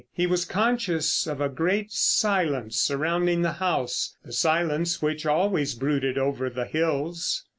He was conscious of a great silence surrounding the house, the silence which always brooded over the hills.